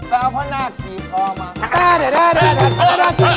ทำอะไรบ้าง